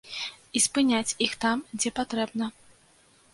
І спыняць іх там, дзе патрэбна.